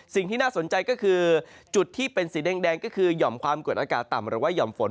สิ่งที่น่าสนใจก็คือจุดที่เป็นสีแดงก็คือห่อมความกดอากาศต่ำหรือว่าห่อมฝน